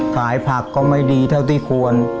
ขายผักก็ไม่ดีเท่าที่ควร